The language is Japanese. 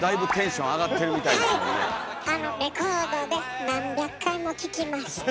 レコードで何百回も聴きました。